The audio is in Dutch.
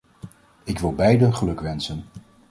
Ik wil beiden gelukwensen.